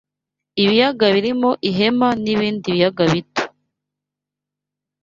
Ibiyaga birimo Ihema n’ibindi biyaga bito